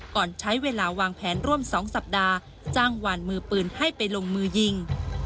ก่อนใช้เวลาวางแผนร่วม๒สัปดาห์จ้างวานมือปืนให้ไปลงมือยิง